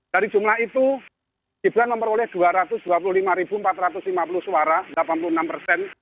dari jumlah itu gibran memperoleh dua ratus dua puluh lima empat ratus lima puluh suara delapan puluh enam persen